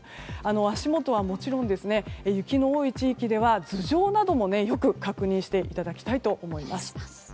足元はもちろん雪の多い地域では頭上などもよく確認していただきたいと思います。